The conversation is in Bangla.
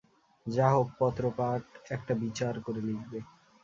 যা হোক, পত্রপাট একটা বিচার করে লিখবে।